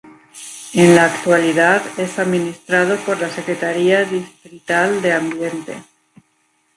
En la actualidad es administrado por la Secretaría Distrital de Ambiente.